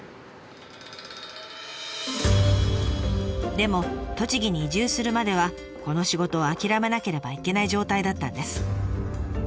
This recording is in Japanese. でも栃木に移住するまではこの仕事を諦めなければいけない状態だったんです。